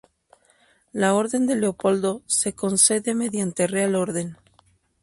La Orden de Leopoldo se concede mediante real orden.